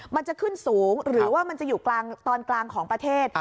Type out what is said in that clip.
มันจะขึ้นสูงหรือว่ามันจะอยู่กลางตอนกลางของประเทศ